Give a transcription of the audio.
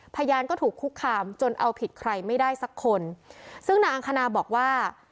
พยานก็ถูกคุกคามจนเอาผิดใครไม่ได้สักคนซึ่งนางอังคณาบอกว่า